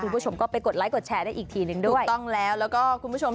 คุณผู้ชมก็ไปกดไลค์กดแชร์ได้อีกทีนึงด้วยแล้วก็คุณผู้ชม